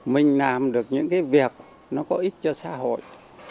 mình làm được những cái việc nó có ích cho xã hội